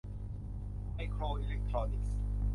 ไมโครอิเล็กทรอนิกส์